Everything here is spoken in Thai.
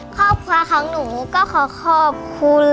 ครอบครัวของหนูก็ขอขอบคุณ